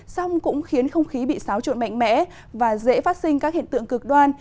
xong cũng khiến không khí bị xáo trộn mạnh mẽ và dễ phát sinh các hiện tượng cực đoan